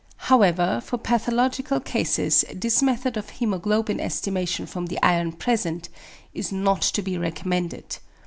However for pathological cases this method of hæmoglobin estimation from the iron present is not to be recommended.